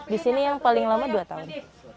di sini yang paling lama dua tahun